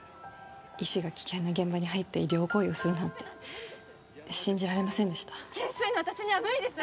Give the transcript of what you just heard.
医師が危険な現場に入って医療行為をするなんて信じられませんでした研修医の私には無理です